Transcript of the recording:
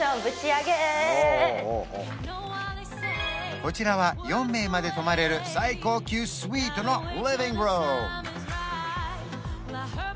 こちらは４名まで泊まれる最高級スイートのリビングルーム